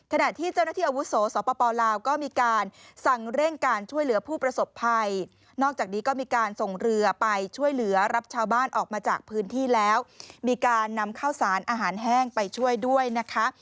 ขณะที่เจ้าหน้าที่อาวุโสสปลาวก็มีการสั่งเร่งการช่วยเหลือผู้ประสบภัยนอกจากนี้ก็มีการส่งเรือไปช่วยเหลือรับชาวบ้านออกมาจากพื้นที่แล้วมีการนำข้าวสารอาหารแห้งไปช่วยด้วยนะคะ